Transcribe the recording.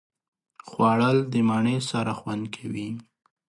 خوړل د مڼې سره خوند کوي